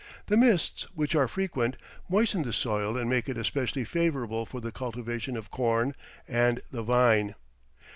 The mists, which are frequent, moisten the soil and make it especially favourable for the cultivation of corn and the vine.